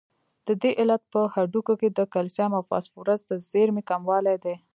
د دې علت په هډوکو کې د کلسیم او فاسفورس د زیرمې کموالی دی.